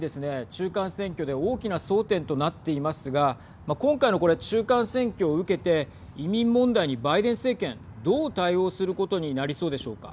中間選挙で大きな争点となっていますが今回のこれ中間選挙を受けて移民問題にバイデン政権どう対応することになりそうでしょうか。